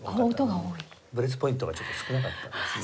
ブレスポイントがちょっと少なかったんですね。